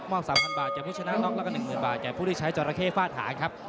มอบ๓๐๐๐บาทจากผู้ชนะล็อคแล้วก็๑๐๐๐๐บาทจากผู้ที่ใช้จอระเข้ฝ้าฐานครับ